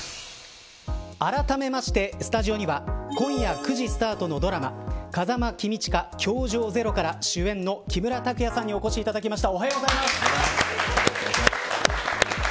あらためまして、スタジオには今夜９時スタートのドラマ風間公親‐教場０‐から主演の木村拓哉さんにお越しいただきました。